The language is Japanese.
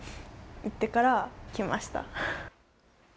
行ってから来ました。